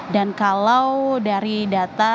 dan kalau dari data